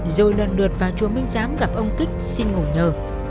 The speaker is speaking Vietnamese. rồi lần lượt vào chùa minh giám gặp ông kích xin ngủ nhờ